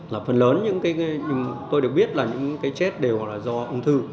là phần lớn những cái tôi được biết là những cái chết đều là do ung thư